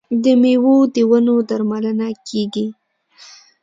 د میوو د ونو درملنه کیږي.